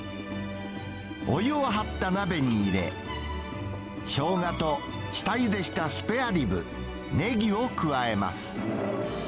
お湯を張った鍋に入れ、ショウガと、下ゆでしたスペアリブ、ネギを加えます。